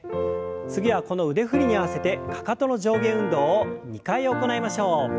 次はこの腕振りに合わせてかかとの上下運動を２回行いましょう。